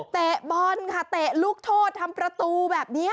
เตะบอลค่ะเตะลูกโทษทำประตูแบบนี้